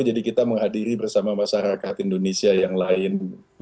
kita menghadiri bersama masyarakat indonesia yang lain